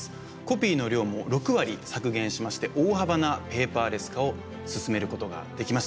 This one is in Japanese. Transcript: コピーの量も６割削減しまして大幅なペーパーレス化を進めることができました。